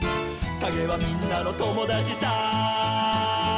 「かげはみんなのともだちさ」